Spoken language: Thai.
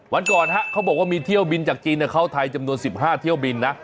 วันก่อนฮะเขาบอกว่ามีเที่ยวบินจากจีนเข้าไทยจำนวน๑๕เที่ยวบินนะ